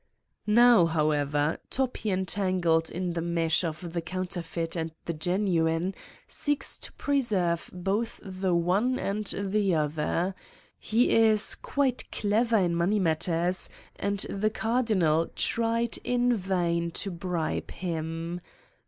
Now, however, Toppi, entangled in the mesh of the counterfeit and the genuine, seeks to preserve both the one and the other: he is quite clever in money matters and the Cardinal tried in vain to bribe him.